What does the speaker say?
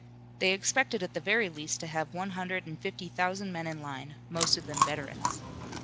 They expected at the very least to have one hundred and fifty thousand men in line, most of them veterans.